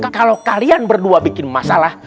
kalau kalian berdua bikin masalah